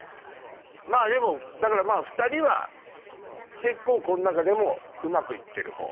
まぁでもだから２人は結構この中でもうまく行ってるほう？